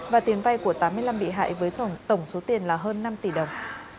và tiền vay của tám mươi năm bị hại với tổng số tiền là hơn năm tỷ đồng